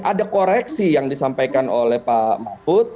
ada koreksi yang disampaikan oleh pak mahfud